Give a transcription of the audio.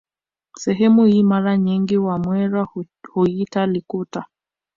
Sehemu hii mara nyingi wamwera huiita Likuta